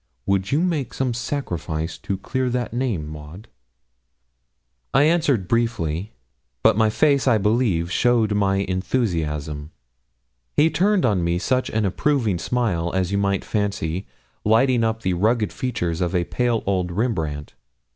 Would you make some sacrifice to clear that name, Maud?' I answered briefly; but my face, I believe, showed my enthusiasm. He turned on me such an approving smile as you might fancy lighting up the rugged features of a pale old Rembrandt.